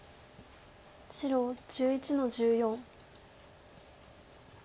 白１１の十四。